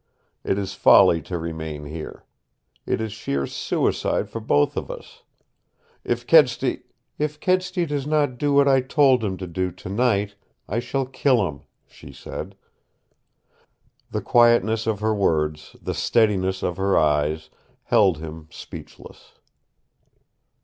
It is folly to remain here. It is sheer suicide for both of us. If Kedsty " "If Kedsty does not do what I told him to do to night, I shall kill him!" she said. The quietness of her words, the steadiness of her eyes, held him speechless.